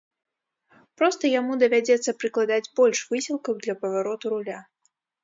Проста яму давядзецца прыкладаць больш высілкаў для павароту руля.